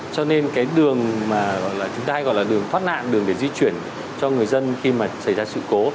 cho nên cái đường mà gọi là chúng ta hay gọi là đường thoát nạn đường để di chuyển cho người dân khi mà xảy ra sự cố